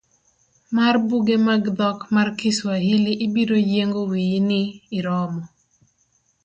Mar buge mag dhok mar Kiswahili ibiro yiengo wiyi ni iromo.